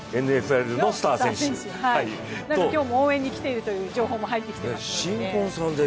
今日も応援に来ているという情報も入ってきていますので。